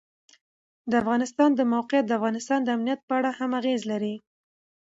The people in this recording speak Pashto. د افغانستان د موقعیت د افغانستان د امنیت په اړه هم اغېز لري.